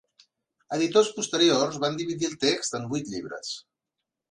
Editors posteriors van dividir el text en vuit llibres.